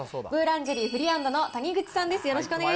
ブーランジェリー・フリアンドの谷口さんです。